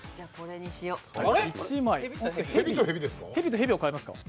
蛇と蛇ですか？